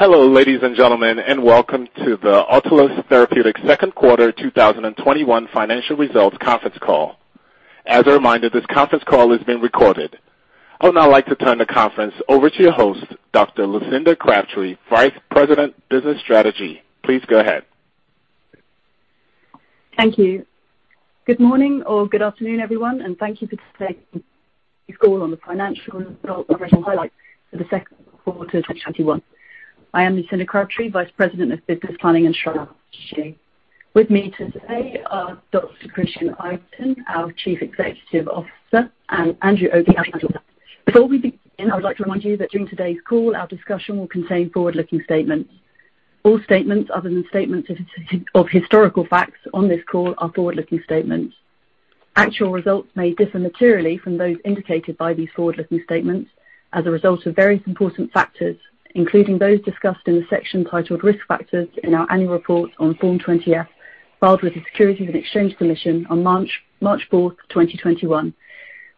Hello, ladies and gentlemen, welcome to the Autolus Therapeutics second quarter 2021 financial results conference call. As a reminder, this conference call is being recorded. I would now like to turn the conference over to your host, Dr. Lucinda Crabtree, Vice President, Business Strategy. Please go ahead. Thank you. Good morning or good afternoon, everyone, and thank you for participating in this call on the financial results and operational highlights for the second quarter of 2021. I am Lucinda Crabtree, Vice President of Business Planning and Strategy. With me today are Dr. Christian Itin, our Chief Executive Officer, and Andrew Oakley, our CFO. Before we begin, I would like to remind you that during today's call, our discussion will contain forward-looking statements. All statements other than statements of historical facts on this call are forward-looking statements. Actual results may differ materially from those indicated by these forward-looking statements as a result of various important factors, including those discussed in the section titled Risk Factors in our annual report on Form 20-F filed with the Securities and Exchange Commission on March 4th, 2021,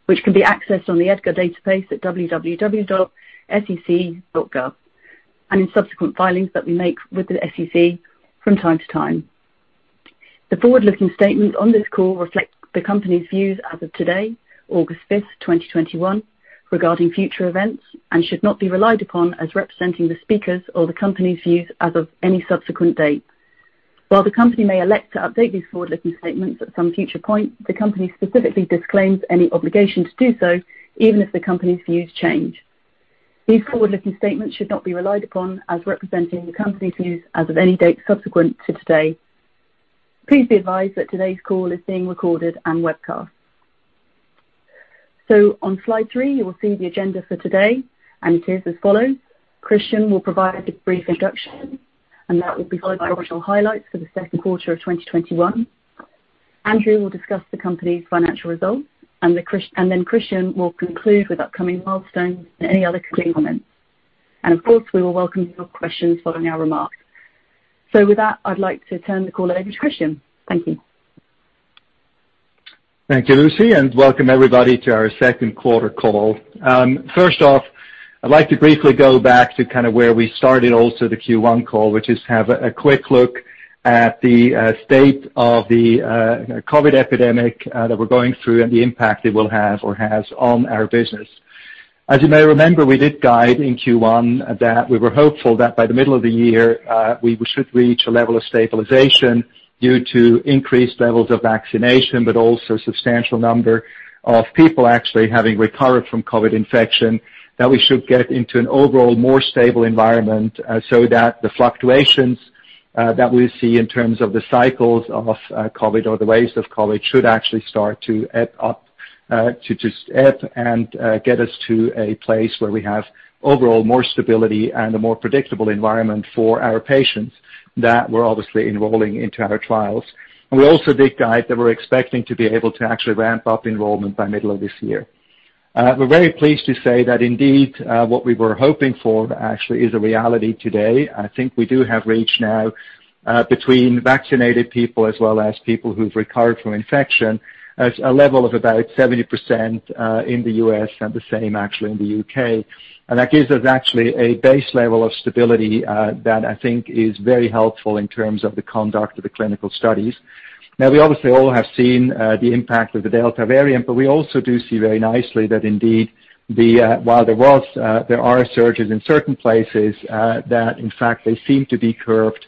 which can be accessed on the EDGAR database at www.sec.gov, and in subsequent filings that we make with the SEC from time to time. The forward-looking statements on this call reflect the company's views as of today, August 5th, 2021, regarding future events, and should not be relied upon as representing the speakers' or the company's views as of any subsequent date. While the company may elect to update these forward-looking statements at some future point, the company specifically disclaims any obligation to do so, even if the company's views change. These forward-looking statements should not be relied upon as representing the company's views as of any date subsequent to today. Please be advised that today's call is being recorded and webcast. On slide three, you will see the agenda for today, and it is as follows. Christian will provide a brief introduction, and that will be followed by operational highlights for the second quarter of 2021. Andrew will discuss the company's financial results, and then Christian will conclude with upcoming milestones and any other concluding comments. Of course, we will welcome your questions following our remarks. With that, I'd like to turn the call over to Christian. Thank you. Thank you, Lucy, and welcome everybody to our second quarter call. First off, I'd like to briefly go back to where we started also the Q1 call, which is have a quick look at the state of the COVID epidemic that we're going through and the impact it will have or has on our business. As you may remember, we did guide in Q1 that we were hopeful that by the middle of the year, we should reach a level of stabilization due to increased levels of vaccination, but also substantial number of people actually having recovered from COVID infection, that we should get into an overall more stable environment so that the fluctuations that we see in terms of the cycles of COVID or the waves of COVID should actually start to ebb and get us to a place where we have overall more stability and a more predictable environment for our patients that we're obviously enrolling into our trials. We also did guide that we're expecting to be able to actually ramp up enrollment by middle of this year. We're very pleased to say that indeed, what we were hoping for actually is a reality today. I think we do have reached now, between vaccinated people as well as people who've recovered from infection, a level of about 70% in the U.S. and the same actually in the U.K. That gives us actually a base level of stability that I think is very helpful in terms of the conduct of the clinical studies. Now, we obviously all have seen the impact of the Delta variant. We also do see very nicely that indeed, while there are surges in certain places, that in fact they seem to be curbed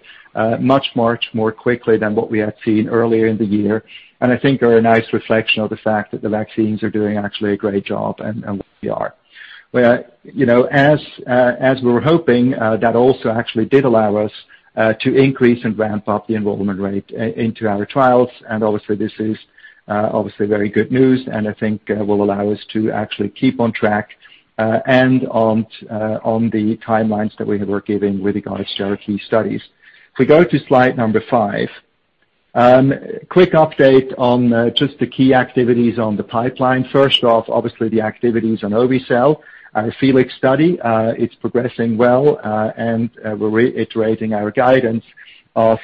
much, much more quickly than what we had seen earlier in the year, and I think are a nice reflection of the fact that the vaccines are doing actually a great job. As we were hoping, that also actually did allow us to increase and ramp up the enrollment rate into our trials. Obviously, this is very good news, and I think will allow us to actually keep on track and on the timelines that we were given with regard to our key studies. If we go to slide number five. Quick update on just the key activities on the pipeline. First off, obviously the activities on obe-cel, our FELIX study. It's progressing well, and we're reiterating our guidance of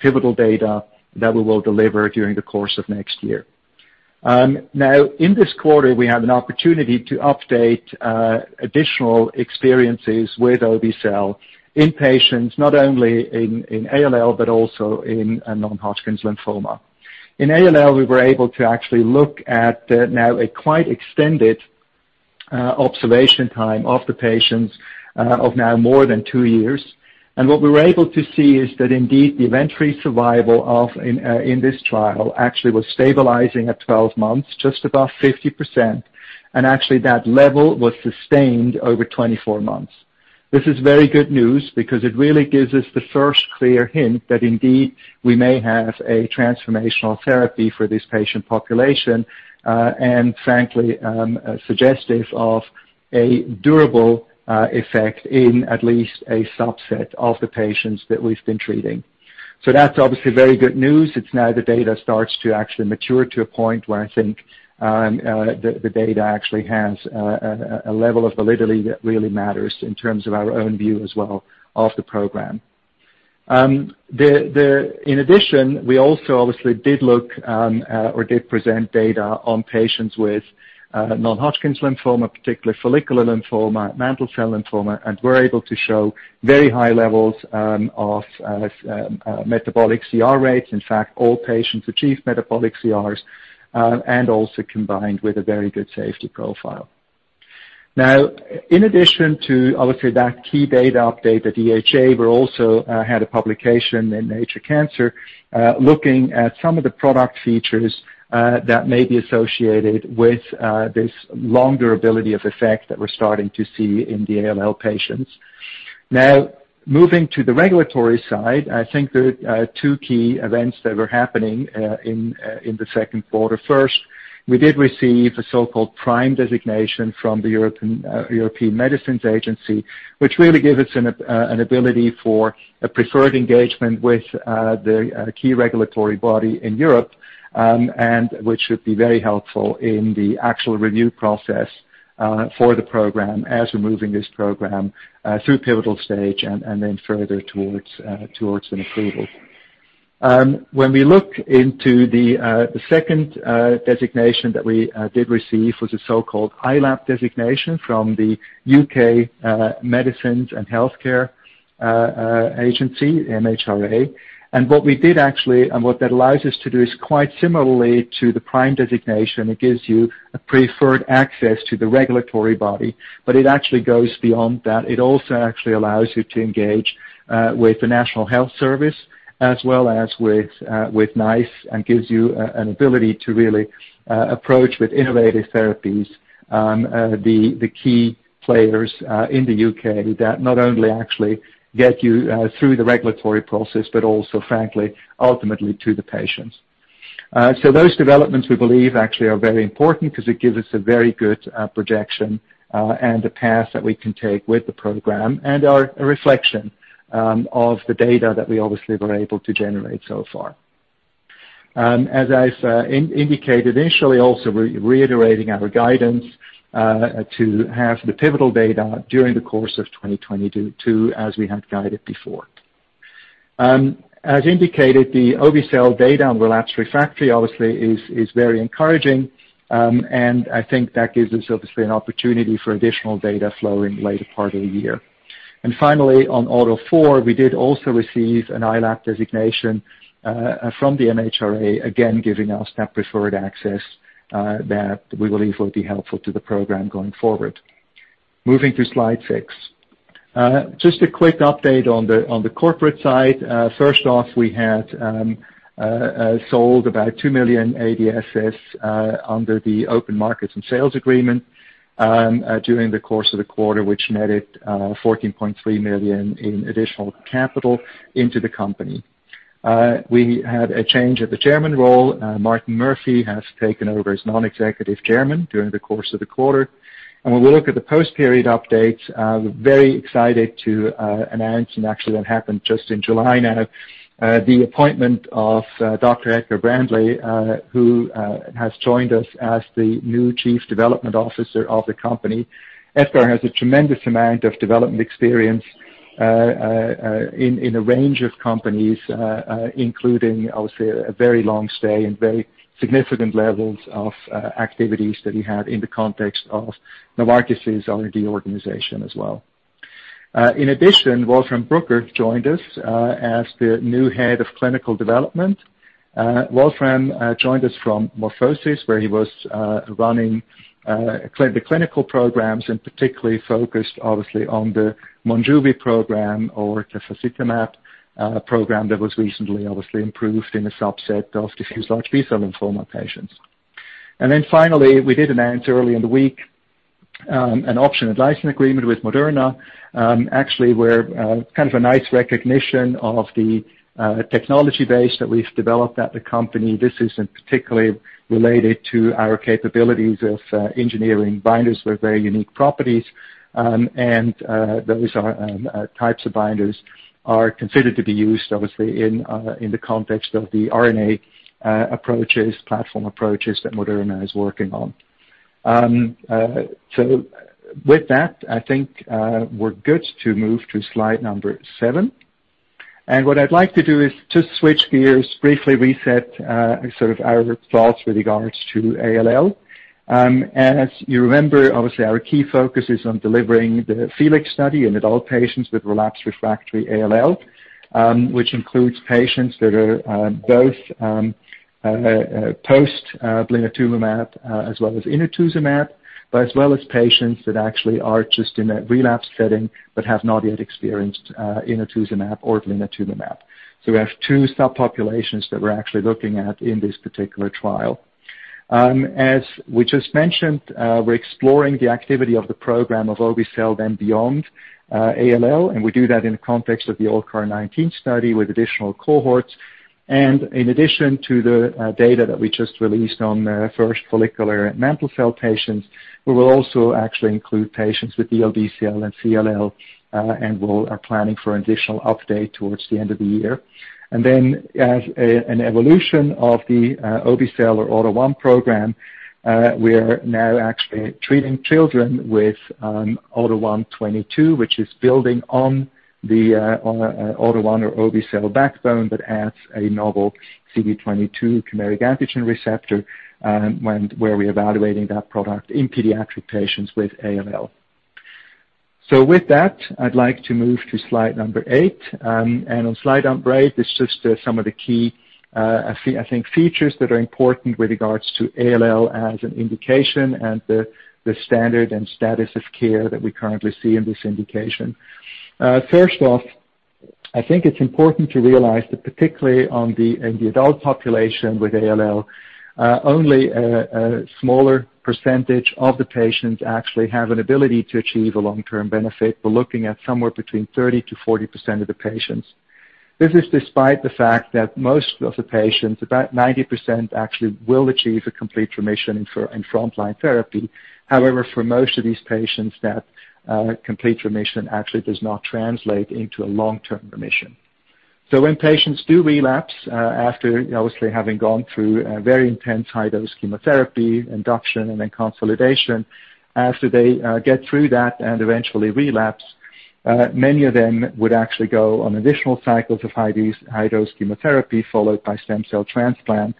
pivotal data that we will deliver during the course of next year. In this quarter, we have an opportunity to update additional experiences with obe-cel in patients, not only in ALL but also in non-Hodgkin's lymphoma. In ALL, we were able to actually look at now a quite extended observation time of the patients of now more than two years. What we were able to see is that indeed, the event-free survival in this trial actually was stabilizing at 12 months, just above 50%, and actually that level was sustained over 24 months. This is very good news because it really gives us the first clear hint that indeed we may have a transformational therapy for this patient population, and frankly, suggestive of a durable effect in at least a subset of the patients that we've been treating. That's obviously very good news. It's now the data starts to actually mature to a point where I think the data actually has a level of validity that really matters in terms of our own view as well of the program. In addition, we also obviously did look or did present data on patients with non-Hodgkin's lymphoma, particularly follicular lymphoma, mantle cell lymphoma, and were able to show very high levels of metabolic CR rates. In fact, all patients achieved metabolic CRs and also combined with a very good safety profile. Now, in addition to, obviously, that key data update at EHA, we also had a publication in Nature Cancer, looking at some of the product features that may be associated with this long durability of effect that we're starting to see in the ALL patients. Now, moving to the regulatory side, I think there are two key events that were happening in the second quarter. First, we did receive a so-called PRIME designation from the European Medicines Agency, which really gives us an ability for a preferred engagement with the key regulatory body in Europe, and which should be very helpful in the actual review process for the program as we're moving this program through pivotal stage and then further towards an approval. When we look into the second designation that we did receive was a so-called ILAP designation from the U.K. Medicines and Healthcare Agency, MHRA. What we did actually, and what that allows us to do is quite similarly to the PRIME designation, it gives you a preferred access to the regulatory body. It actually goes beyond that. It also actually allows you to engage with the National Health Service as well as with NICE and gives you an ability to really approach with innovative therapies the key players in the U.K. that not only actually get you through the regulatory process, but also frankly, ultimately to the patients. Those developments, we believe, actually are very important because it gives us a very good projection and a path that we can take with the program and are a reflection of the data that we obviously were able to generate so far. As I've indicated initially, also we're reiterating our guidance to have the pivotal data during the course of 2022, as we have guided before. As indicated, the obe-cel data on relapsed/refractory, obviously, is very encouraging. I think that gives us, obviously, an opportunity for additional data flow in later part of the year. Finally, on AUTO4, we did also receive an ILAP designation from the MHRA, again, giving us that preferred access that we believe will be helpful to the program going forward. Moving to slide six. Just a quick update on the corporate side. First off, we had sold about 2 million ADSs under the open markets and sales agreement during the course of the quarter, which netted $14.3 million in additional capital into the company. We had a change of the chairman role. Martin Murphy has taken over as Non-Executive Chairman during the course of the quarter. When we look at the post period updates, we're very excited to announce, and actually that happened just in July now, the appointment of Dr. Edgar Braendle, who has joined us as the new Chief Development Officer of the company. Edgar has a tremendous amount of development experience in a range of companies, including, obviously, a very long stay and very significant levels of activities that he had in the context of Novartis' R&D organization as well. In addition, Wolfram Brugger joined us as the new head of clinical development. Wolfram joined us from MorphoSys, where he was running the clinical programs and particularly focused, obviously, on the MONJUVI program or the tafasitamab program that was recently, obviously, improved in a subset of diffuse large B-cell lymphoma patients. Finally, we did announce early in the week an option and license agreement with Moderna, actually, where kind of a nice recognition of the technology base that we've developed at the company. This is particularly related to our capabilities of engineering binders with very unique properties. Those types of binders are considered to be used, obviously, in the context of the RNA approaches, platform approaches that Moderna is working on. With that, I think we're good to move to slide number seven. What I'd like to do is just switch gears, briefly reset sort of our thoughts with regards to ALL. As you remember, obviously, our key focus is on delivering the FELIX study in adult patients with relapse refractory ALL, which includes patients that are both post blinatumomab as well as inotuzumab, but as well as patients that actually are just in a relapse setting but have not yet experienced inotuzumab or blinatumomab. We have two subpopulations that we're actually looking at in this particular trial. As we just mentioned, we're exploring the activity of the program of obe-cel beyond ALL. We do that in the context of the ALLCAR19 study with additional cohorts. In addition to the data that we just released on first follicular mantle cell patients, we will also actually include patients with the DLBCL and CLL. We are planning for an additional update towards the end of the year. Then as an evolution of the obe-cel or AUTO1 program, we're now actually treating children with AUTO1/22, which is building on the AUTO1 or obe-cel backbone but adds a novel CD22 chimeric antigen receptor, where we're evaluating that product in pediatric patients with ALL. With that, I'd like to move to slide number eight. On slide number eight is just some of the key, I think, features that are important with regards to ALL as an indication and the standard and status of care that we currently see in this indication. First off, I think it's important to realize that particularly in the adult population with ALL, only a smaller percentage of the patients actually have an ability to achieve a long-term benefit. We're looking at somewhere between 30%-40% of the patients. This is despite the fact that most of the patients, about 90%, actually will achieve a complete remission in frontline therapy. However, for most of these patients, that complete remission actually does not translate into a long-term remission. When patients do relapse after obviously having gone through a very intense high-dose chemotherapy, induction, and then consolidation, after they get through that and eventually relapse, many of them would actually go on additional cycles of high-dose chemotherapy followed by stem cell transplant.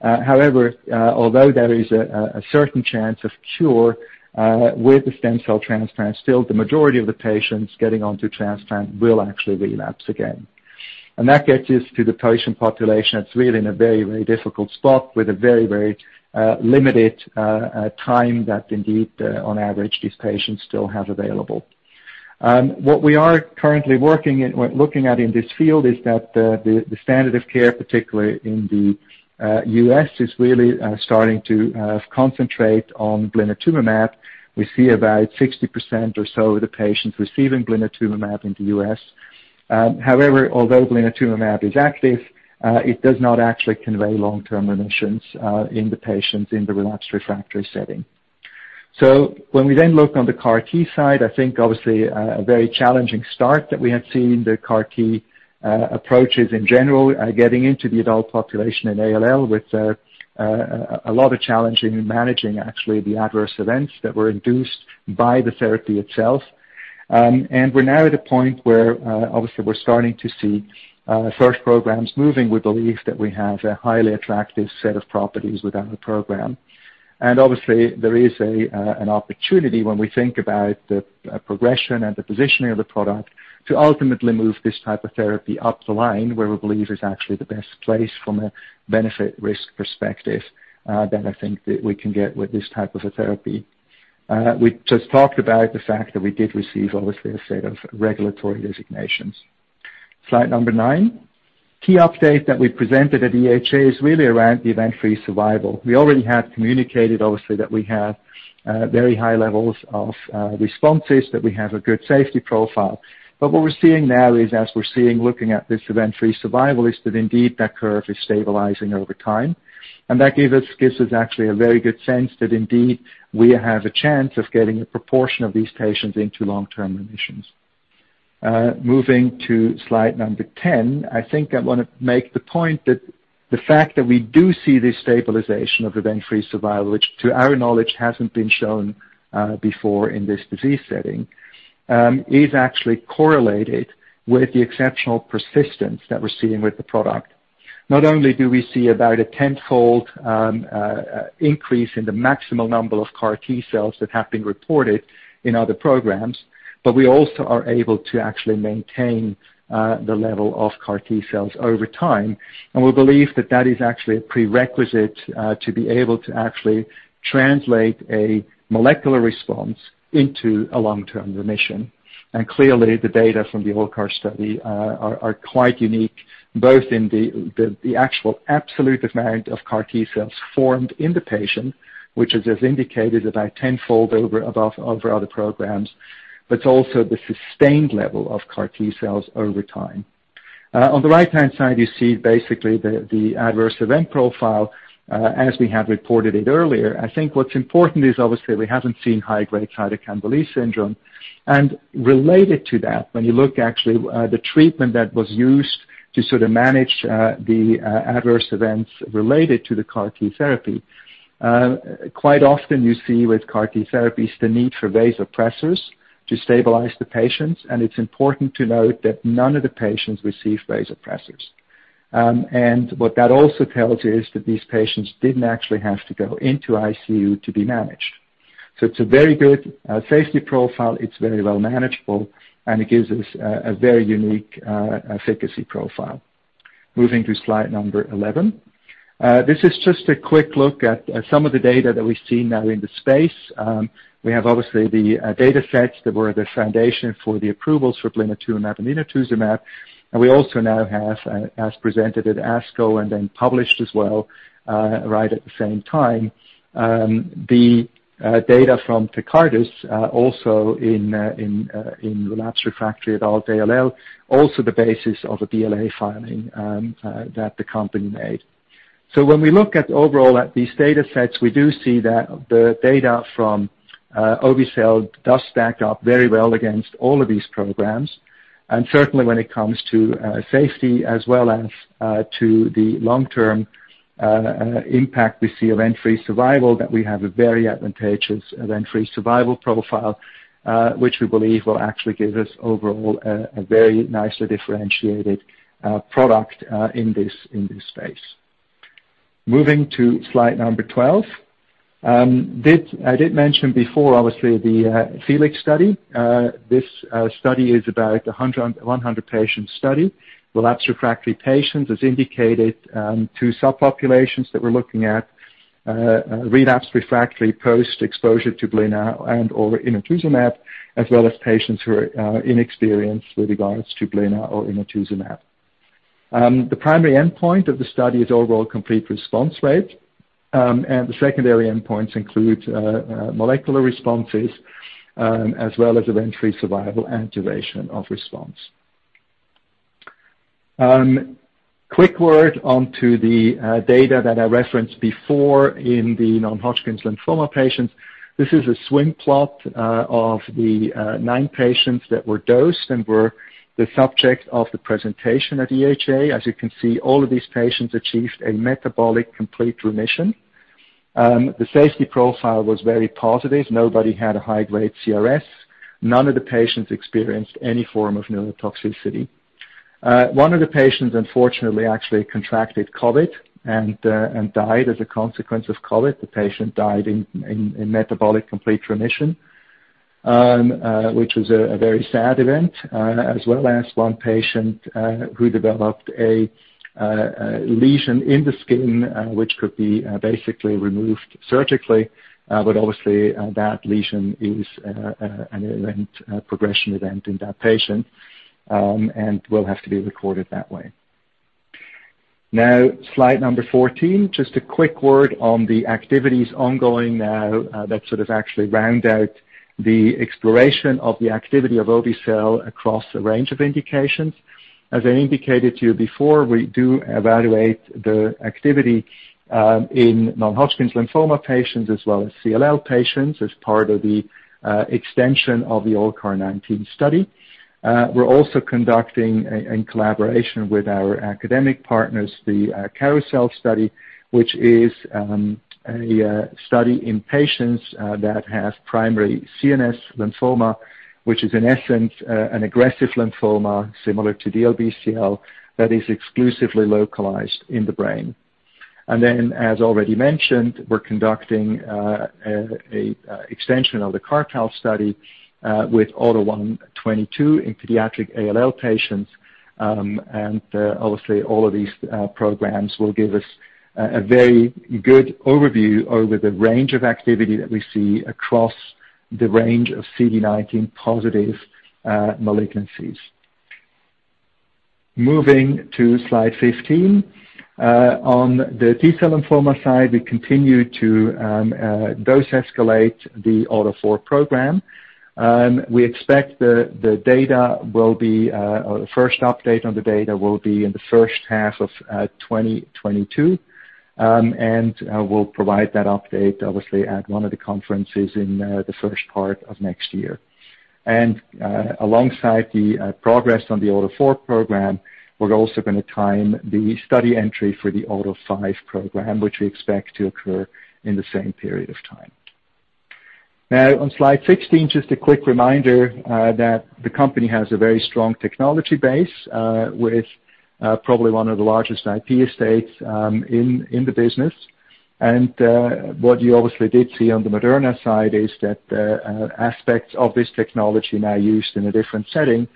However, although there is a certain chance of cure with the stem cell transplant, still, the majority of the patients getting onto transplant will actually relapse again. That gets us to the patient population. It is really in a very, very difficult spot with a very, very limited time that indeed, on average, these patients still have available. What we are currently looking at in this field is that the standard of care, particularly in the U.S., is really starting to concentrate on blinatumomab. We see about 60% or so of the patients receiving blinatumomab in the U.S. Although blinatumomab is active, it does not actually convey long-term remissions in the patients in the relapsed refractory setting. When we then look on the CAR T side, I think obviously a very challenging start that we have seen the CAR T approaches in general getting into the adult population in ALL with a lot of challenges in managing actually the adverse events that were induced by the therapy itself. We're now at a point where obviously we're starting to see first programs moving. We believe that we have a highly attractive set of properties with our program. Obviously, there is an opportunity when we think about the progression and the positioning of the product to ultimately move this type of therapy up the line where we believe is actually the best place from a benefit-risk perspective that I think that we can get with this type of a therapy. We just talked about the fact that we did receive, obviously, a set of regulatory designations. Slide number nine. Key update that we presented at EHA is really around the event-free survival. We already have communicated, obviously, that we have very high levels of responses, that we have a good safety profile. What we're seeing now is, as we're seeing looking at this event-free survival, is that indeed that curve is stabilizing over time. That gives us actually a very good sense that indeed we have a chance of getting a proportion of these patients into long-term remissions. Moving to slide number 10, I think I want to make the point that the fact that we do see this stabilization of event-free survival, which to our knowledge hasn't been shown before in this disease setting, is actually correlated with the exceptional persistence that we're seeing with the product. Not only do we see about a tenfold increase in the maximal number of CAR T cells that have been reported in other programs, but we also are able to actually maintain the level of CAR T cells over time. We believe that that is actually a prerequisite to be able to actually translate a molecular response into a long-term remission. Clearly, the data from the ALLCAR study are quite unique, both in the actual absolute amount of CAR T cells formed in the patient, which is as indicated about tenfold over other programs, but also the sustained level of CAR T cells over time. On the right-hand side, you see basically the adverse event profile as we had reported it earlier. I think what's important is obviously we haven't seen high-grade cytokine release syndrome. Related to that, when you look actually the treatment that was used to sort of manage the adverse events related to the CAR T therapy, quite often you see with CAR T therapies the need for vasopressors to stabilize the patients, and it's important to note that none of the patients received vasopressors. What that also tells you is that these patients didn't actually have to go into ICU to be managed. It's a very good safety profile. It's very well manageable, and it gives us a very unique efficacy profile. Moving to slide number 11. This is just a quick look at some of the data that we see now in the space. We have obviously the data sets that were the foundation for the approvals for blinatumomab and inotuzumab. We also now have, as presented at ASCO and then published as well right at the same time, the data from TECARTUS also in relapsed refractory adult ALL, also the basis of a BLA filing that the company made. When we look at overall at these data sets, we do see that the data from obe-cel does stack up very well against all of these programs. Certainly, when it comes to safety as well as to the long-term impact we see event-free survival, that we have a very advantageous event-free survival profile, which we believe will actually give us overall a very nicely differentiated product in this space. Moving to slide number 12. I did mention before, obviously, the FELIX study. This study is about 100-patient study. Relapsed/refractory patients has indicated two subpopulations that we're looking at, relapsed/refractory post-exposure to blina and/or inotuzumab, as well as patients who are inexperienced with regards to blina or inotuzumab. The primary endpoint of the study is overall complete response rate. The secondary endpoints include molecular responses, as well as event-free survival and duration of response. Quick word onto the data that I referenced before in the non-Hodgkin's lymphoma patients. This is a swim plot of the nine patients that were dosed and were the subject of the presentation at EHA. As you can see, all of these patients achieved a metabolic complete remission. The safety profile was very positive. Nobody had a high-grade CRS. None of the patients experienced any form of neurotoxicity. One of the patients, unfortunately, actually contracted COVID and died as a consequence of COVID. The patient died in metabolic complete remission, which was a very sad event, as well as one patient who developed a lesion in the skin, which could be basically removed surgically. Obviously, that lesion is an event, a progression event in that patient, and will have to be recorded that way. Slide number 14, just a quick word on the activities ongoing now that sort of actually round out the exploration of the activity of obe-cel across a range of indications. As I indicated to you before, we do evaluate the activity in non-Hodgkin's lymphoma patients as well as CLL patients as part of the extension of the ALLCAR19 study. We're also conducting, in collaboration with our academic partners, the CARLYSLE study, which is a study in patients that have primary CNS lymphoma, which is in essence an aggressive lymphoma similar to DLBCL that is exclusively localized in the brain. Then, as already mentioned, we're conducting an extension of the CARPALL study with AUTO1/22 in pediatric ALL patients. Obviously, all of these programs will give us a very good overview over the range of activity that we see across the range of CD19 positive malignancies. Moving to slide 15. On the T-cell lymphoma side, we continue to dose escalate the AUTO4 program. We expect the first update on the data will be in the first half of 2022. We'll provide that update, obviously, at one of the conferences in the first part of next year. Alongside the progress on the AUTO4 program, we're also going to time the study entry for the AUTO5 program, which we expect to occur in the same period of time. Now, on slide 16, just a quick reminder that the company has a very strong technology base with probably one of the largest IP estates in the business. What you obviously did see on the Moderna side is that aspects of this technology now used in a different setting.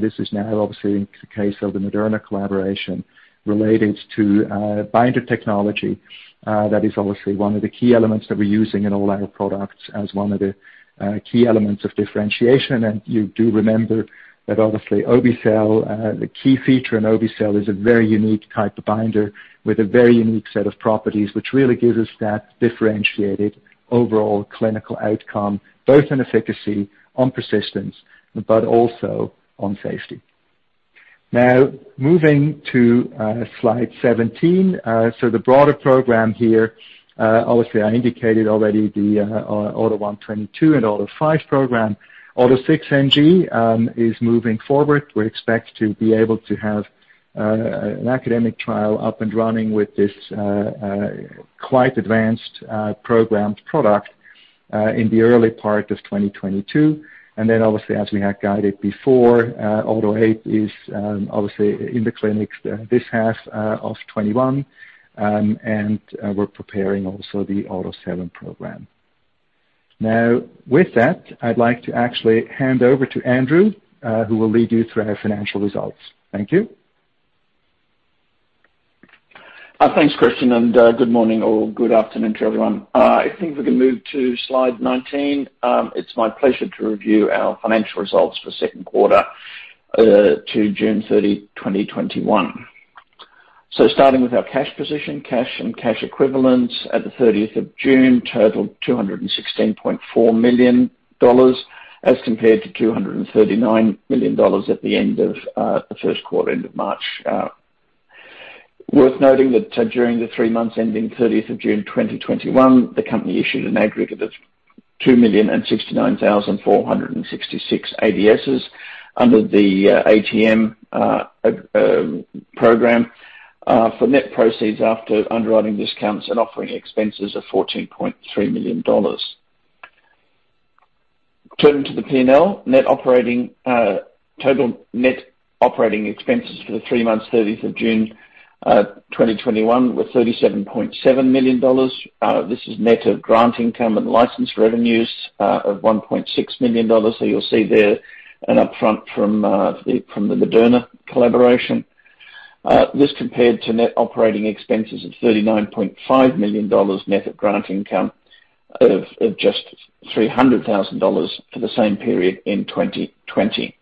This is now obviously in the case of the Moderna collaboration related to binder technology. That is obviously one of the key elements that we're using in all our products as one of the key elements of differentiation. You do remember that obviously, the key feature in obe-cel is a very unique type of binder with a very unique set of properties, which really gives us that differentiated overall clinical outcome, both in efficacy on persistence, but also on safety. Moving to slide 17. The broader program here, obviously, I indicated already the AUTO1/22 and AUTO5 program. AUTO6NG is moving forward. We expect to be able to have an academic trial up and running with this quite advanced programmed product in the early part of 2022. Obviously, as we had guided before AUTO8 is obviously in the clinics this half of 2021. We're preparing also the AUTO7 program. With that, I'd like to actually hand over to Andrew who will lead you through our financial results. Thank you. Thanks, Christian. Good morning or good afternoon to everyone. I think we can move to slide 19. It's my pleasure to review our financial results for second quarter to June 30, 2021. Starting with our cash position, cash and cash equivalents at the 30th of June totaled $216.4 million as compared to $239 million at the end of the first quarter, end of March. Worth noting that during the three months ending 30th of June 2021, the company issued an aggregate of 2,069,466 ADSs under the ATM program for net proceeds after underwriting discounts and offering expenses of $14.3 million. Turning to the P&L, net operating total net operating expenses for the three months 30th of June 2021 were $37.7 million. This is net of grant income and license revenues of $1.6 million. You'll see there an upfront from the Moderna collaboration. This compared to net operating expenses of $39.5 million, net of grant income of just $300,000 for the same period in 2020.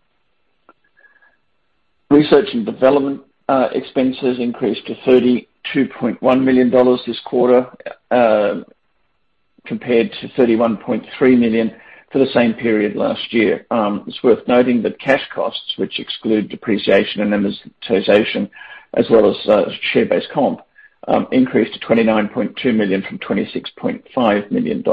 Research and development expenses increased to $32.1 million this quarter, compared to $31.3 million for the same period last year. It's worth noting that cash costs, which exclude depreciation and amortization, as well as share-based comp, increased to $29.2 million from $26.5 million.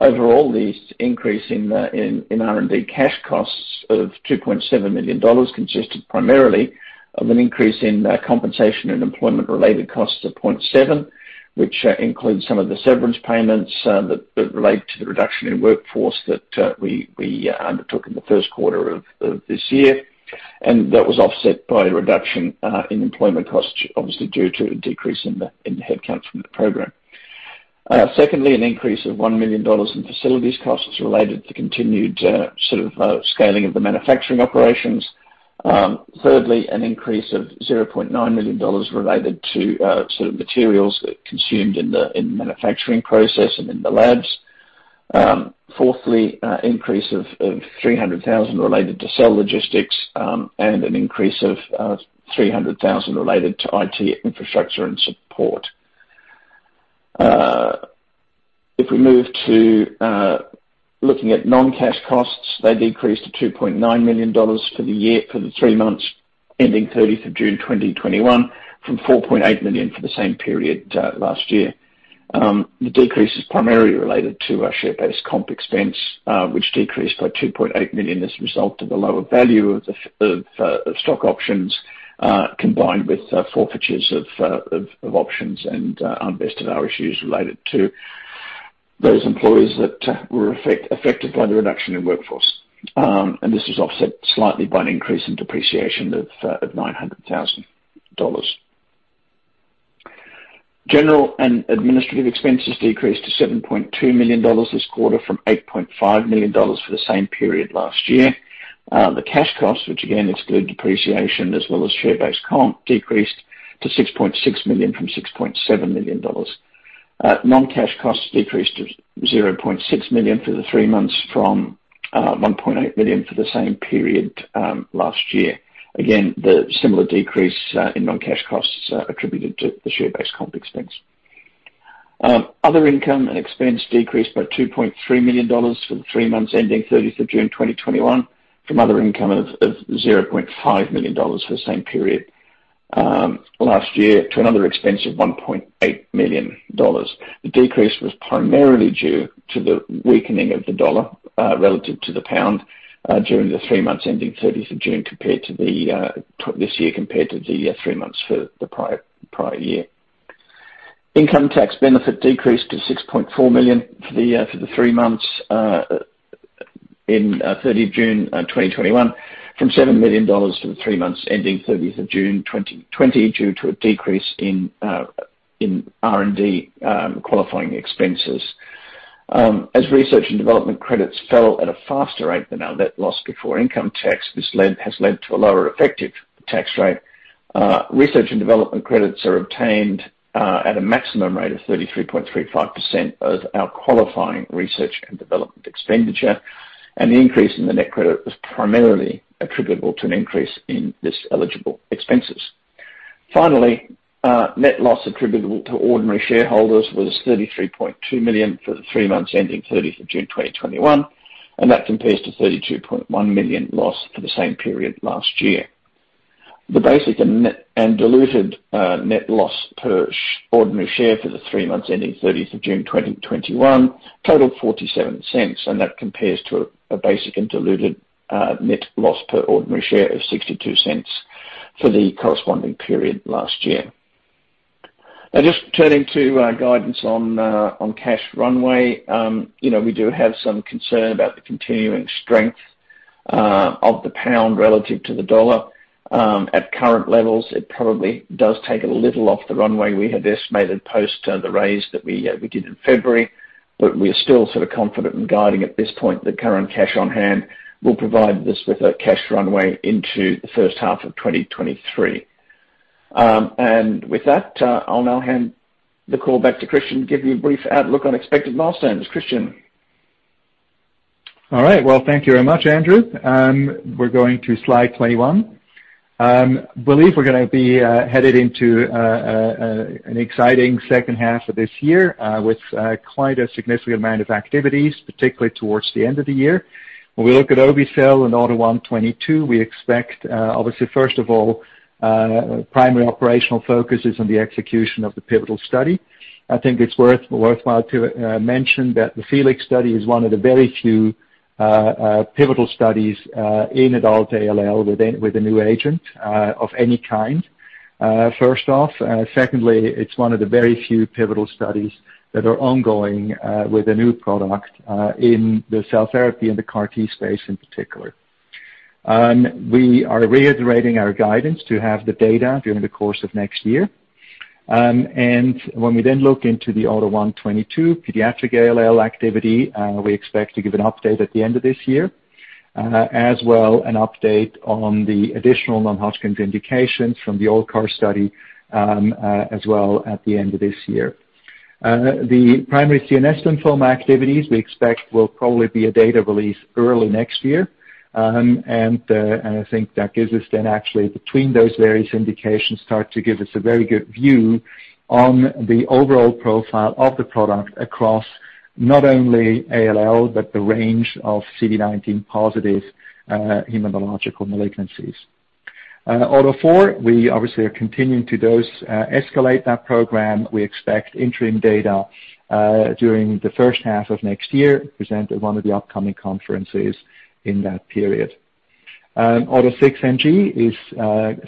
Overall, these increase in R&D cash costs of $2.7 million consisted primarily of an increase in compensation and employment-related costs of $0.7 million, which includes some of the severance payments that relate to the reduction in workforce that we undertook in the first quarter of this year. That was offset by a reduction in employment costs, obviously due to a decrease in the headcount from the program. Secondly, an increase of $1 million in facilities costs related to continued scaling of the manufacturing operations. Thirdly, an increase of $0.9 million related to materials consumed in the manufacturing process and in the labs. Fourthly, an increase of $300,000 related to cell logistics and an increase of $300,000 related to IT infrastructure and support. If we move to looking at non-cash costs, they decreased to $2.9 million for the three months ending 30th of June 2021 from $4.8 million for the same period last year. The decrease is primarily related to our share-based comp expense, which decreased by $2.8 million as a result of the lower value of stock options, combined with forfeitures of options and unvested RSUs related to those employees that were affected by the reduction in workforce. This was offset slightly by an increase in depreciation of $900,000. General and administrative expenses decreased to $7.2 million this quarter from $8.5 million for the same period last year. The cash costs, which again exclude depreciation as well as share-based comp, decreased to $6.6 million from $6.7 million. Non-cash costs decreased to $0.6 million for the three months from $1.8 million for the same period last year. The similar decrease in non-cash costs attributed to the share-based comp expense. Other income and expense decreased by $2.3 million for the three months ending 30th of June 2021 from other income of $0.5 million for the same period last year to another expense of $1.8 million. The decrease was primarily due to the weakening of the dollar relative to the pound during the three months ending 30th of June this year compared to the three months for the prior year. Income tax benefit decreased to $6.4 million for the three months in 30th June 2021 from $7 million for the three months ending 30th of June 2020 due to a decrease in R&D qualifying expenses. As research and development credits fell at a faster rate than our net loss before income tax, this has led to a lower effective tax rate. Research and development credits are obtained at a maximum rate of 33.35% of our qualifying research and development expenditure, and the increase in the net credit was primarily attributable to an increase in this eligible expenses. Finally, net loss attributable to ordinary shareholders was $33.2 million for the three months ending 30th of June 2021, and that compares to $32.1 million loss for the same period last year. The basic and diluted net loss per ordinary share for the three months ending 30th of June 2021 totaled $0.47. That compares to a basic and diluted net loss per ordinary share of $0.62 for the corresponding period last year. Just turning to our guidance on cash runway. We do have some concern about the continuing strength of the pound relative to the dollar. At current levels, it probably does take a little off the runway. We have estimated post the raise that we did in February, but we are still confident in guiding at this point that current cash on hand will provide us with a cash runway into the first half of 2023. With that, I'll now hand the call back to Christian to give you a brief outlook on expected milestones. Christian. All right. Well, thank you very much, Andrew. We're going to slide 21. Believe we're going to be headed into an exciting second half of this year with quite a significant amount of activities, particularly towards the end of the year. When we look at obe-cel and AUTO1/22, we expect, obviously first of all, primary operational focus is on the execution of the pivotal study. I think it's worthwhile to mention that the FELIX study is one of the very few pivotal studies in adult ALL with a new agent of any kind first off. Secondly, it's one of the very few pivotal studies that are ongoing with a new product in the cell therapy and the CAR T space in particular. We are reiterating our guidance to have the data during the course of next year. When we then look into the AUTO1/22 pediatric ALL activity, we expect to give an update at the end of this year, as well an update on the additional non-Hodgkin's indications from the ALLCAR study as well at the end of this year. The primary CNS lymphoma activities we expect will probably be a data release early next year, I think that gives us then actually between those various indications start to give us a very good view on the overall profile of the product across not only ALL, but the range of CD19 positive hematological malignancies. AUTO4, we obviously are continuing to dose escalate that program. We expect interim data during the first half of next year, presented one of the upcoming conferences in that period. AUTO6NG is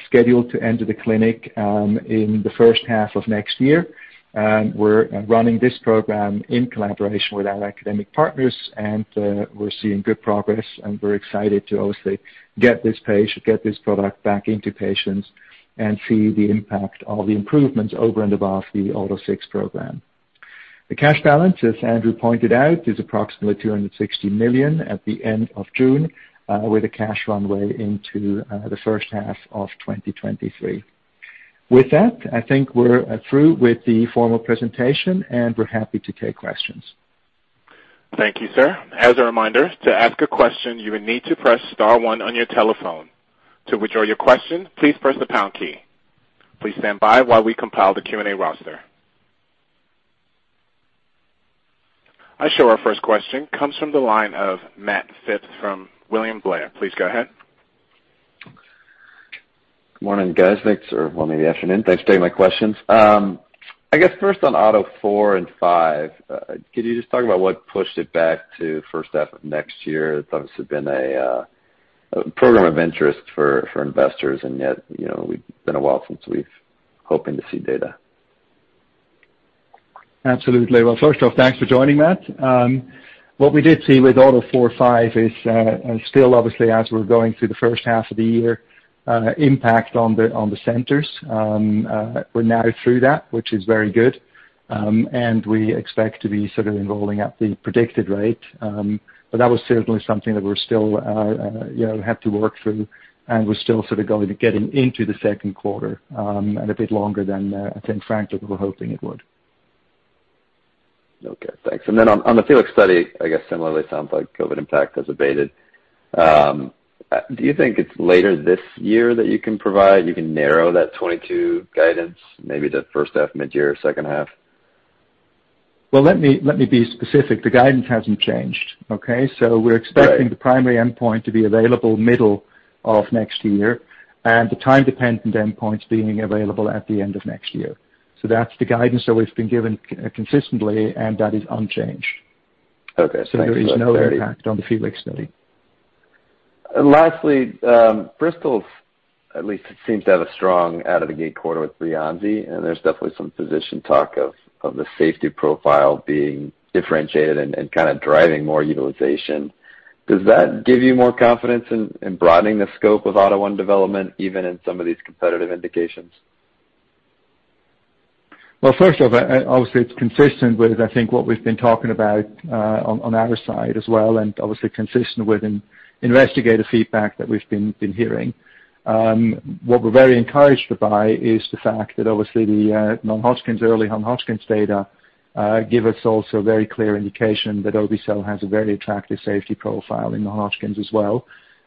scheduled to enter the clinic in the first half of next year. We're running this program in collaboration with our academic partners, and we're seeing good progress, and we're excited to obviously get this product back into patients and see the impact of the improvements over and above the AUTO6 program. The cash balance, as Andrew pointed out, is approximately $260 million at the end of June, with a cash runway into the first half of 2023. With that, I think we're through with the formal presentation, and we're happy to take questions. Thank you, sir. As a reminder, to ask a question, you will need to press star one on your telephone. To withdraw your question, please press the pound key. Please stand by while we compile the Q&A roster. I show our first question comes from the line of Matt Phipps from William Blair. Please go ahead. Good morning, guys. Thanks. Well, maybe afternoon. Thanks for taking my questions. I guess first on AUTO4 and 5, could you just talk about what pushed it back to first half of next year? It's obviously been a program of interest for investors, yet, we've been a while since we've hoping to see data. Absolutely. Well, first off, thanks for joining, Matt. What we did see with AUTO4-5 is still obviously as we're going through the first half of the year impact on the centers. We're now through that, which is very good. We expect to be sort of enrolling at the predicted rate. That was certainly something that we still have to work through, and we're still sort of going to getting into the second quarter, and a bit longer than I think frankly we were hoping it would. Okay, thanks. On the FELIX study, I guess similarly sounds like COVID impact has abated. Do you think it's later this year that you can provide, you can narrow that 2022 guidance, maybe the first half, midyear or second half? Let me be specific. The guidance hasn't changed. We're expecting the primary endpoint to be available middle of next year and the time-dependent endpoints being available at the end of next year. That's the guidance that we've been given consistently, and that is unchanged. Okay. Thanks for the clarity. There is no impact on the FELIX study. Bristol at least seems to have a strong out of the gate quarter with Breyanzi, and there's definitely some physician talk of the safety profile being differentiated and kind of driving more utilization. Does that give you more confidence in broadening the scope of AUTO1 development, even in some of these competitive indications? First off, obviously it's consistent with I think what we've been talking about on our side as well, obviously consistent with an investigator feedback that we've been hearing. What we're very encouraged by is the fact that obviously the non-Hodgkin's early, non-Hodgkin's data give us also a very clear indication that obe-cel has a very attractive safety profile in non-Hodgkin's as well.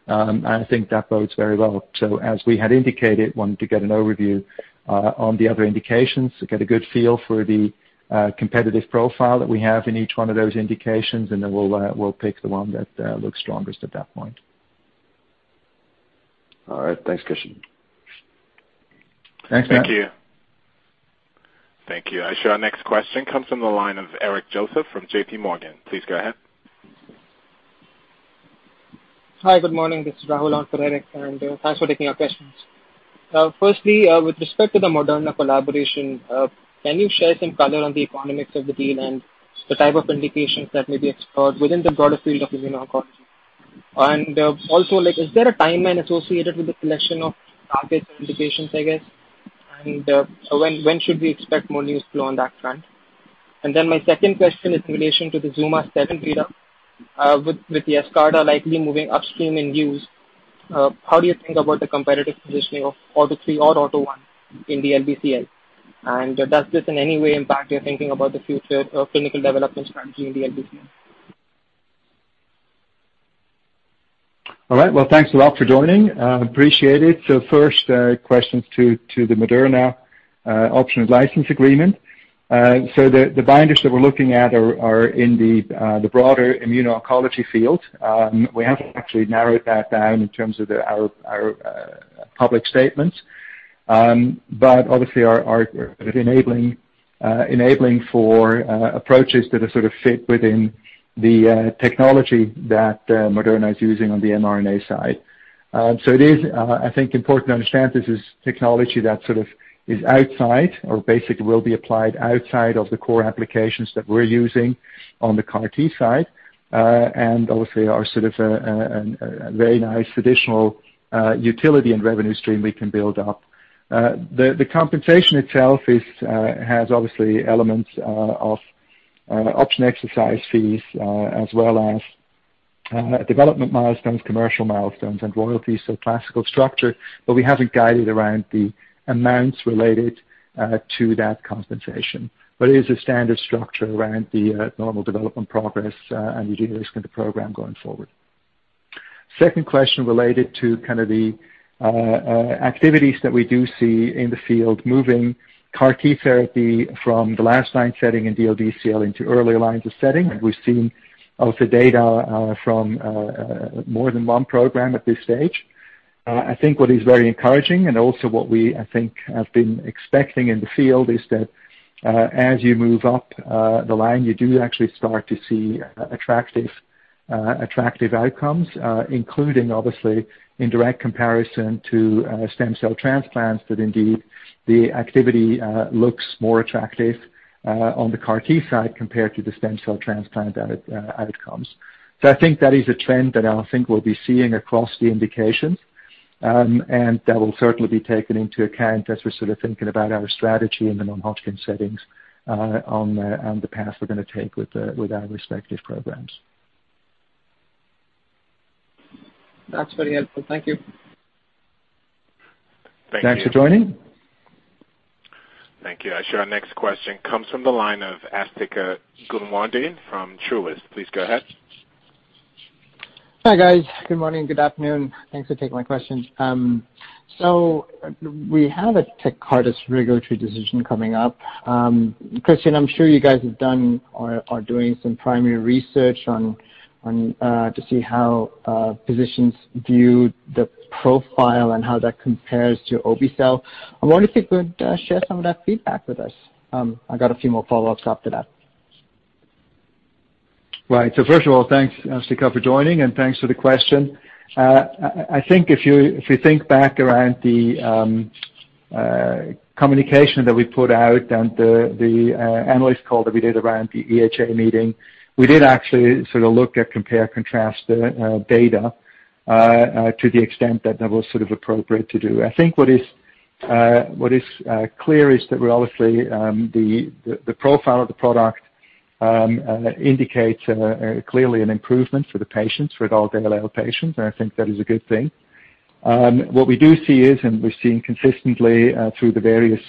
I think that bodes very well. As we had indicated, wanted to get an overview on the other indications to get a good feel for the competitive profile that we have in each one of those indications, then we'll pick the one that looks strongest at that point. All right. Thanks, Christian. Thanks, Matt. Thank you. Thank you. I show our next question comes from the line of Eric Joseph from JPMorgan. Please go ahead. Hi, good morning, this is [Rahul] on for Eric. Thanks for taking our questions. Firstly, with respect to the Moderna collaboration, can you share some color on the economics of the deal and the type of indications that may be explored within the broader field of immuno-oncology? Also, is there a timeline associated with the selection of targets or indications, I guess? When should we expect more news flow on that front? My second question is in relation to the ZUMA-7 data with the YESCARTA are likely moving upstream in use, how do you think about the competitive positioning of AUTO3 or AUTO1 in the DLBCL? Does this in any way impact your thinking about the future of clinical development strategy in the DLBCL? All right. Well, thanks a lot for joining. Appreciate it. First, questions to the Moderna option license agreement. The binders that we're looking at are in the broader immuno-oncology field. We haven't actually narrowed that down in terms of our public statements. Obviously are enabling for approaches that are sort of fit within the technology that Moderna is using on the mRNA side. It is, I think, important to understand this is technology that sort of is outside or basically will be applied outside of the core applications that we're using on the CAR T side, and obviously are sort of a very nice additional utility and revenue stream we can build up. The compensation itself has obviously elements of option exercise fees, as well as development milestones, commercial milestones, and royalties, so classical structure. We haven't guided around the amounts related to that compensation. It is a standard structure around the normal development progress and de-risking of the program going forward. Second question related to kind of the activities that we do see in the field, moving CAR T therapy from the last line setting in DLBCL into earlier lines of setting. We've seen also data from more than one program at this stage. I think what is very encouraging and also what we, I think, have been expecting in the field is that, as you move up the line, you do actually start to see attractive outcomes, including obviously in direct comparison to stem cell transplants, that indeed the activity looks more attractive on the CAR T side compared to the stem cell transplant outcomes. I think that is a trend that I think we'll be seeing across the indications, and that will certainly be taken into account as we're sort of thinking about our strategy in the non-Hodgkin settings on the path we're going to take with our respective programs. That is very helpful. Thank you. Thanks for joining. Thank you. Our next question comes from the line of Asthika Goonewardene from Truist. Please go ahead. Hi, guys. Good morning. Good afternoon. Thanks for taking my questions. We have a TECARTUS regulatory decision coming up. Christian, I'm sure you guys have done or are doing some primary research to see how physicians view the profile and how that compares to obe-cel. I wonder if you could share some of that feedback with us. I got a few more follow-ups after that. Right. First of all, thanks, Asthika, for joining, and thanks for the question. I think if you think back around the communication that we put out and the analyst call that we did around the EHA meeting, we did actually sort of look at compare and contrast the data to the extent that that was sort of appropriate to do. I think what is clear is that the profile of the product indicates clearly an improvement for the patients, for adult ALL patients, and I think that is a good thing. What we do see is, and we're seeing consistently through the various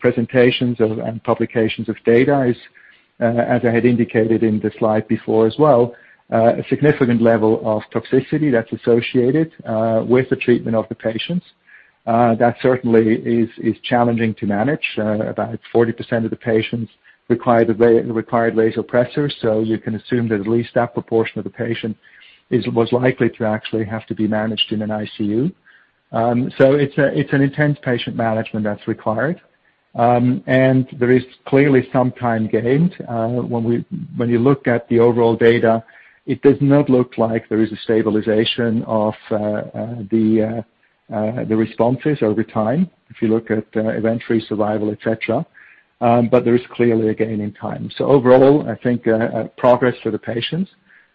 presentations and publications of data is, as I had indicated in the slide before as well, a significant level of toxicity that's associated with the treatment of the patients. That certainly is challenging to manage. About 40% of the patients required vasopressors, you can assume that at least that proportion of the patient was likely to actually have to be managed in an ICU. It's an intense patient management that's required. There is clearly some time gained. When you look at the overall data, it does not look like there is a stabilization of the responses over time if you look at event-free survival, et cetera. There is clearly a gain in time. Overall, I think progress for the patients.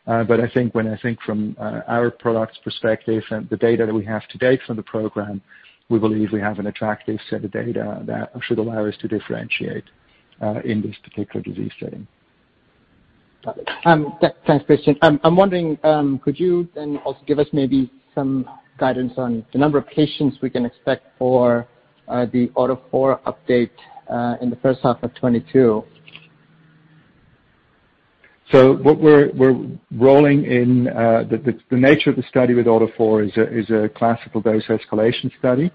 I think when I think from our product perspective and the data that we have to date from the program, we believe we have an attractive set of data that should allow us to differentiate in this particular disease setting. Got it. Thanks, Christian. I'm wondering, could you then also give us maybe some guidance on the number of patients we can expect for the AUTO4 update in the first half of 2022? What we're rolling in, the nature of the study with AUTO4 is a classical dose escalation study.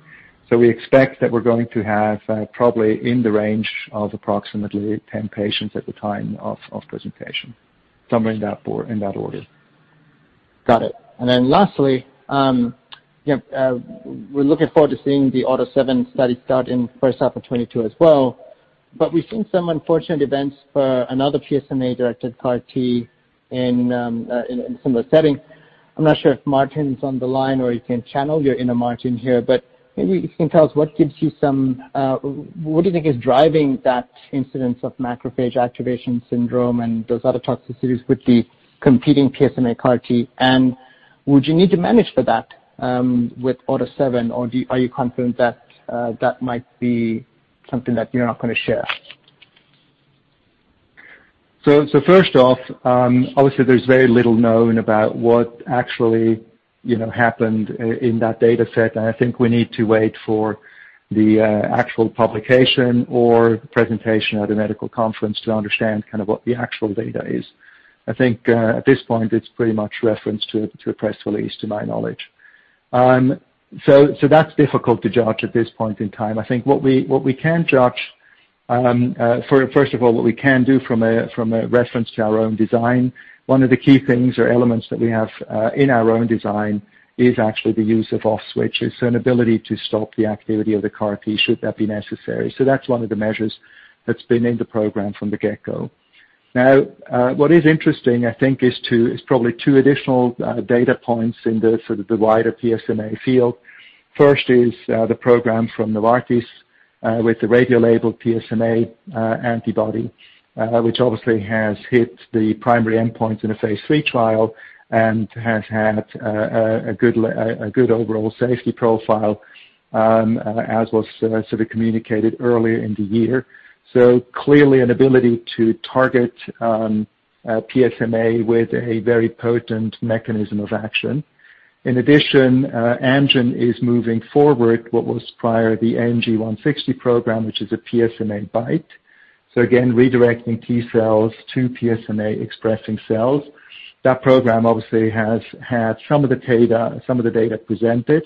We expect that we're going to have probably in the range of approximately 10 patients at the time of presentation, somewhere in that order. Got it. Lastly, we're looking forward to seeing the AUTO7 study start in first half of 2022 as well. We've seen some unfortunate events for another PSMA-directed CAR T in a similar setting. I'm not sure if Martin's on the line or you can channel your inner Martin here. Maybe you can tell us what do you think is driving that incidence of macrophage activation syndrome and those other toxicities with the competing PSMA CAR T. Would you need to manage for that with AUTO7, or are you confident that that might be something that you're not going to share? First off, obviously there's very little known about what actually happened in that data set, and I think we need to wait for the actual publication or presentation at a medical conference to understand what the actual data is. I think at this point it's pretty much referenced to a press release, to my knowledge. That's difficult to judge at this point in time. I think what we can judge, first of all, what we can do from a reference to our own design, one of the key things or elements that we have in our own design is actually the use of off switch. An ability to stop the activity of the CAR T should that be necessary. That's one of the measures that's been in the program from the get-go. What is interesting, I think, is probably two additional data points in the wider PSMA field. First is the program from Novartis with the radio-labeled PSMA antibody, which obviously has hit the primary endpoint in a phase III trial and has had a good overall safety profile, as was sort of communicated earlier in the year. Clearly an ability to target PSMA with a very potent mechanism of action. In addition, Amgen is moving forward what was prior the AMG 160 program, which is a PSMA BiTE. Again, redirecting T cells to PSMA-expressing cells. That program obviously has had some of the data presented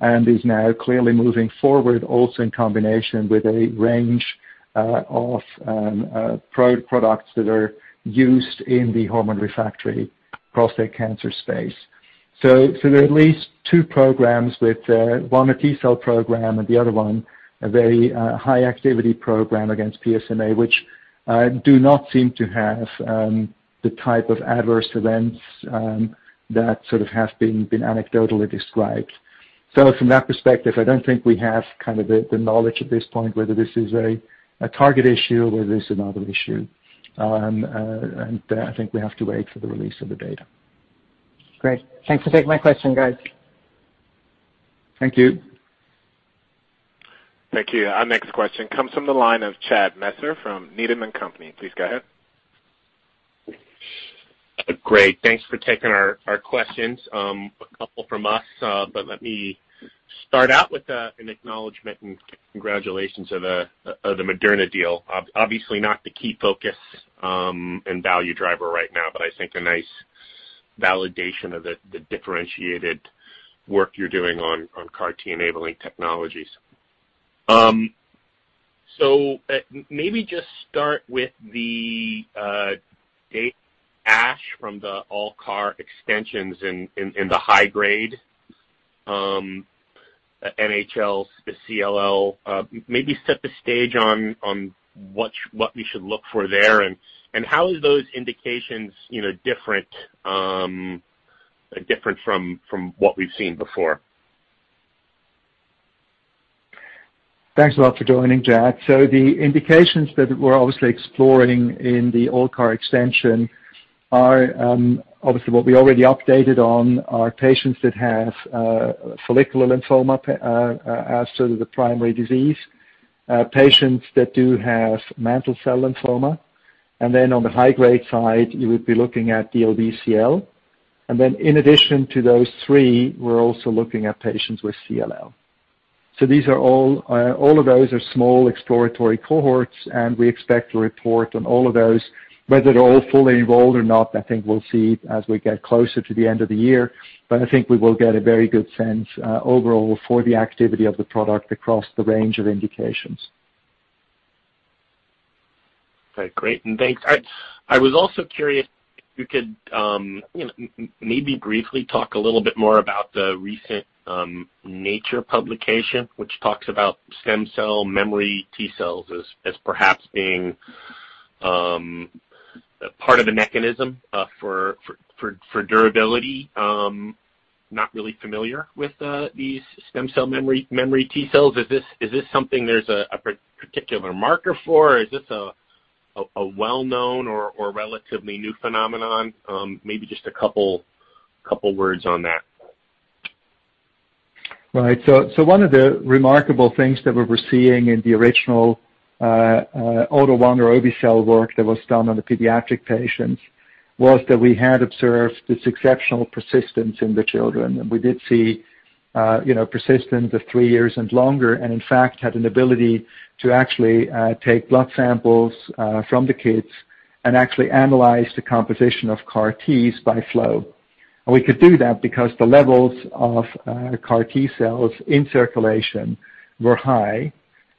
and is now clearly moving forward also in combination with a range of products that are used in the hormone-refractory prostate cancer space. There are at least two programs with one, a T-cell program, and the other one, a very high-activity program against PSMA, which do not seem to have the type of adverse events that sort of have been anecdotally described. From that perspective, I don't think we have the knowledge at this point whether this is a target issue or whether this is another issue. I think we have to wait for the release of the data. Great. Thanks for taking my question, guys. Thank you. Thank you. Our next question comes from the line of Chad Messer from Needham & Company. Please go ahead. Great. Thanks for taking our questions, a couple from us. Let me start out with an acknowledgement and congratulations of the Moderna deal. Obviously not the key focus and value driver right now, but I think a nice validation of the differentiated work you're doing on CAR T-enabling technologies. Maybe just start with the data ASH from the ALLCAR extensions in the high-grade NHLs, the CLL. Maybe set the stage on what we should look for there, and how are those indications different from what we've seen before? Thanks a lot for joining, Chad. The indications that we're obviously exploring in the ALLCAR extension are obviously what we already updated on are patients that have follicular lymphoma as sort of the primary disease, patients that do have mantle cell lymphoma, and then on the high-grade side, you would be looking at the DLBCL. In addition to those three, we're also looking at patients with CLL. All of those are small exploratory cohorts, and we expect to report on all of those. Whether they're all fully enrolled or not, I think we'll see as we get closer to the end of the year. I think we will get a very good sense overall for the activity of the product across the range of indications. Okay, great. Thanks. I was also curious if you could maybe briefly talk a little bit more about the recent Nature publication, which talks about stem cell memory T cells as perhaps being part of a mechanism for durability. I'm not really familiar with these stem cell memory T cells. Is this something there's a particular marker for, or is this a well-known or relatively new phenomenon? Maybe just a couple words on that. Right. One of the remarkable things that we were seeing in the original AUTO1 or obe-cel work that was done on the pediatric patients was that we had observed this exceptional persistence in the children. We did see persistence of three years and longer, and in fact, had an ability to actually take blood samples from the kids and actually analyze the composition of CAR Ts by flow. We could do that because the levels of CAR T cells in circulation were high,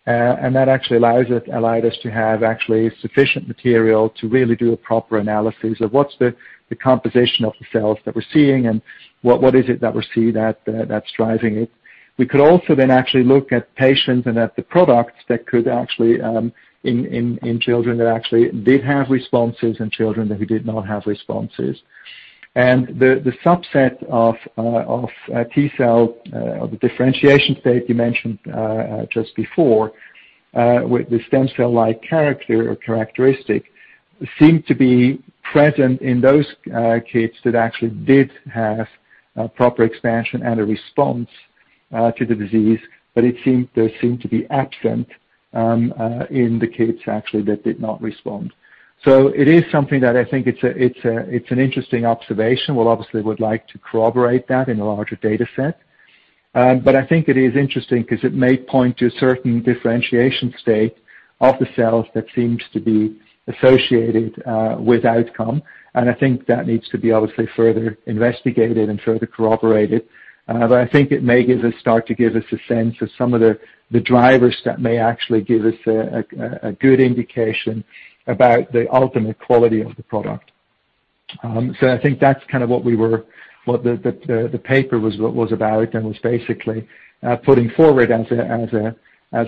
and that actually allowed us to have actually sufficient material to really do a proper analysis of what's the composition of the cells that we're seeing and what is it that we're seeing that's driving it. We could also then actually look at patients and at the products that could actually, in children that actually did have responses and children that did not have responses. The subset of T-cell differentiation state you mentioned just before with the stem cell-like characteristic seemed to be present in those kids that actually did have proper expansion and a response to the disease. They seemed to be absent in the kids, actually, that did not respond. It is something that I think it's an interesting observation. We obviously would like to corroborate that in a larger data set. I think it is interesting because it may point to a certain differentiation state of the cells that seems to be associated with outcome. I think that needs to be obviously further investigated and further corroborated. I think it may start to give us a sense of some of the drivers that may actually give us a good indication about the ultimate quality of the product. I think that's what the paper was about and was basically putting forward as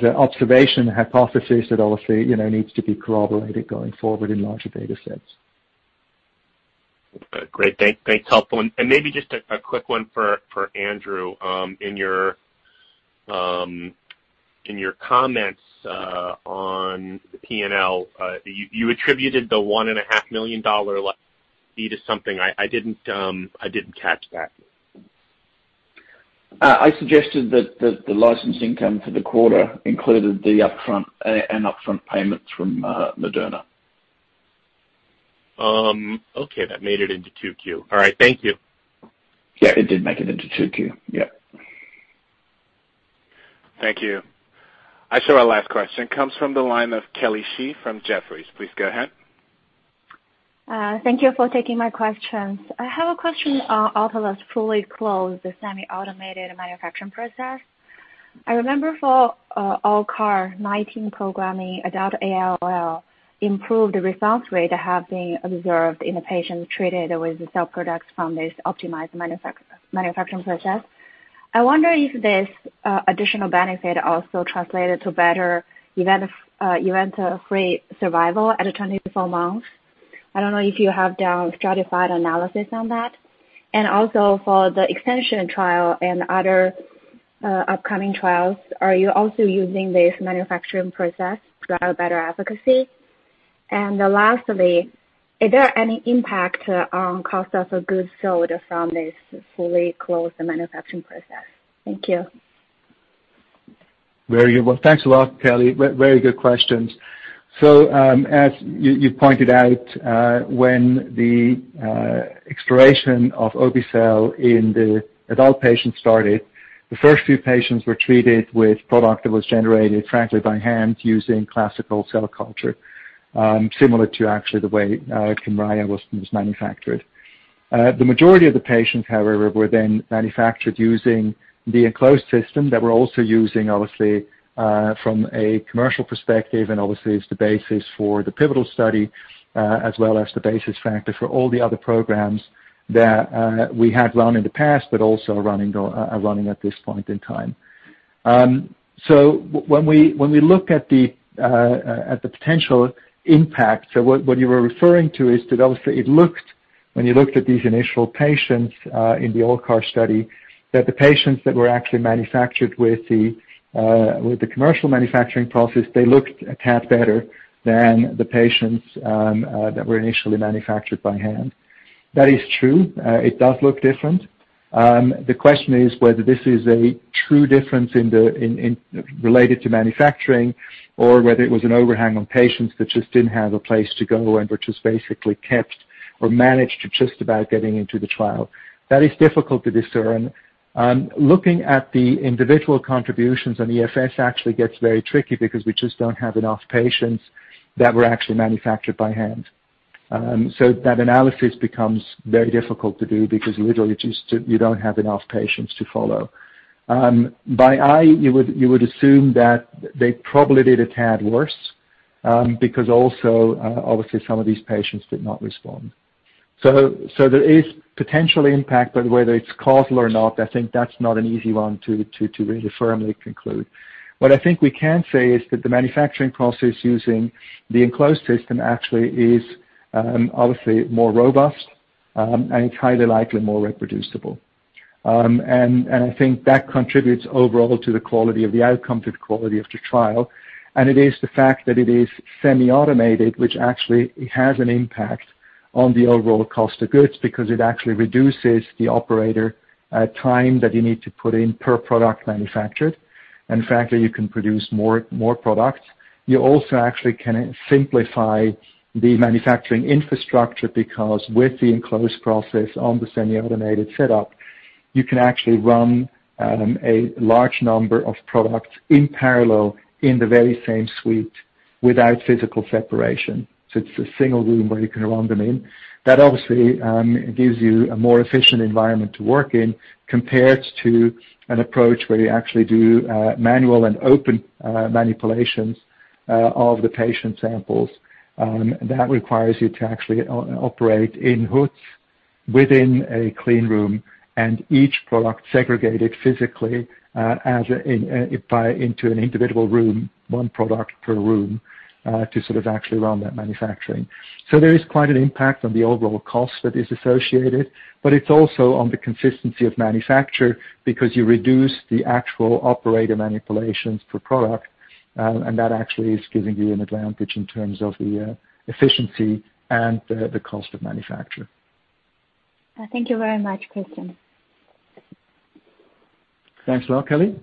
an observation hypothesis that obviously needs to be corroborated going forward in larger data sets. Okay, great. Thanks. Helpful. Maybe just a quick one for Andrew. In your comments on the P&L, you attributed the $1.5 million to something. I didn't catch that. I suggested that the license income for the quarter included an upfront payment from Moderna. Okay, that made it into 2Q. All right, thank you. Yeah, it did make it into 2Q. Yep. Thank you. I show our last question comes from the line of Kelly Shi from Jefferies. Please go ahead. Thank you for taking my questions. I have a question on Autolus fully closed the semi-automated manufacturing process. I remember for ALLCAR19 programming, adult ALL improved the response rate have been observed in the patients treated with the cell products from this optimized manufacturing process. I wonder if this additional benefit also translated to better event-free survival at a 24 months. I don't know if you have stratified analysis on that. Also for the extension trial and other upcoming trials, are you also using this manufacturing process to have better efficacy? Lastly, is there any impact on cost of goods sold from this fully closed manufacturing process? Thank you. Very good. Well, thanks a lot, Kelly. Very good questions. As you pointed out, when the exploration of obe-cel in the adult patients started, the first few patients were treated with product that was generated frankly by hand using classical cell culture, similar to actually the way Kymriah was manufactured. The majority of the patients, however, were then manufactured using the enclosed system that we're also using, obviously, from a commercial perspective, and obviously is the basis for the pivotal study, as well as the basis factor for all the other programs that we had run in the past, but also are running at this point in time. When we look at the potential impact, what you were referring to is to those it looked, when you looked at these initial patients in the ALLCAR study, that the patients that were actually manufactured with the commercial manufacturing process, they looked a tad better than the patients that were initially manufactured by hand. That is true. It does look different. The question is whether this is a true difference related to manufacturing or whether it was an overhang on patients that just didn't have a place to go and were just basically kept or managed to just about getting into the trial. That is difficult to discern. Looking at the individual contributions on the EFS actually gets very tricky because we just don't have enough patients that were actually manufactured by hand. That analysis becomes very difficult to do because literally, you don't have enough patients to follow. By eye, you would assume that they probably did a tad worse, because also, obviously, some of these patients did not respond. There is potential impact, but whether it's causal or not, I think that's not an easy one to really firmly conclude. What I think we can say is that the manufacturing process using the enclosed system actually is obviously more robust, and it's highly likely more reproducible. I think that contributes overall to the quality of the outcome, to the quality of the trial. It is the fact that it is semi-automated, which actually has an impact on the overall cost of goods because it actually reduces the operator time that you need to put in per product manufactured. Frankly, you can produce more products. You also actually can simplify the manufacturing infrastructure because with the enclosed process on the semi-automated setup, you can actually run a large number of products in parallel in the very same suite without physical separation. It's a single room where you can run them in. That obviously gives you a more efficient environment to work in compared to an approach where you actually do manual and open manipulations of the patient samples. That requires you to actually operate in hoods within a clean room, and each product segregated physically into an individual room, one product per room, to sort of actually run that manufacturing. There is quite an impact on the overall cost that is associated, but it is also on the consistency of manufacture because you reduce the actual operator manipulations per product, and that actually is giving you an advantage in terms of the efficiency and the cost of manufacture. Thank you very much, Christian. Thanks a lot, Kelly.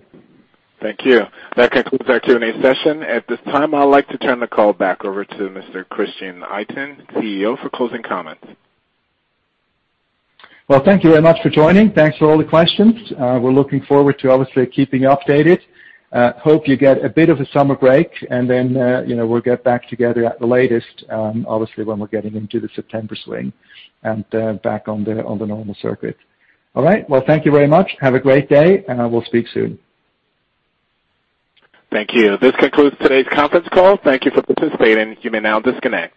Thank you. That concludes our Q&A session. At this time, I'd like to turn the call back over to Mr. Christian Itin, CEO, for closing comments. Well, thank you very much for joining. Thanks for all the questions. We are looking forward to obviously keeping updated. Hope you get a bit of a summer break, and then we will get back together at the latest, obviously, when we are getting into the September swing and back on the normal circuit. All right. Well, thank you very much. Have a great day, and we will speak soon. Thank you. This concludes today's conference call. Thank you for participating. You may now disconnect.